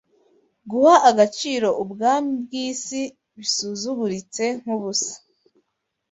Guha agaciro ubwami bwisi Bisuzuguritse nkubusa